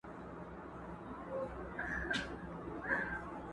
پخوانیو زمانو کي یو دهقان وو.!